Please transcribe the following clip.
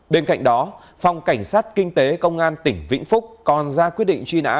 bên cạnh đó phòng cảnh sát kinh tế công an tỉnh vĩnh phúc còn ra quyết định truy nã